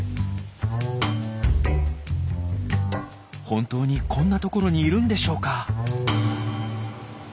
本当にこんな所にいるんでしょうか？